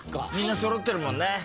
みんなそろってるもんね。